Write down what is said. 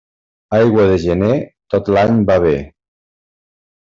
Aigua de gener, tot l'any va bé.